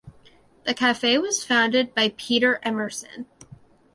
The cafe was founded by Peter Emerson.